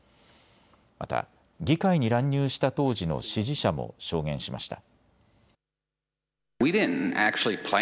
また議会に乱入した当時の支持者も証言しました。